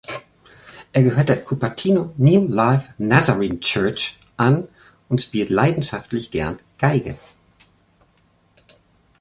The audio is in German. Er gehört der "Cupertino New Life Nazarene Church" an und spielt leidenschaftlich gern Geige.